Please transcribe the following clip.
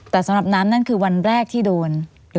แต่สำหรับน้ำนั่นคือวันแรกที่โดน